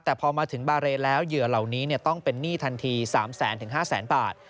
แต่พอมาถึงบาเรนแล้วเหยื่อเหล่านี้ต้องเป็นหนี้ทันที๓แสนถึง๕แสนบาท